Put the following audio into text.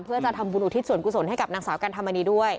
เพื่อจะทำบุญอุทิศส่วนกุศลให้กับนางสาวกันธรรมนีด้วย